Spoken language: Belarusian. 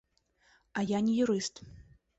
А я не юрыст.